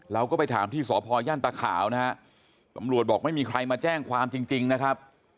เราก็ไปถามที่สพย่านตะขาวนะฮะตำรวจบอกไม่มีใครมาแจ้งความจริงนะครับ